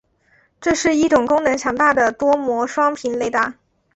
这是一种功能强大的多模双频雷达。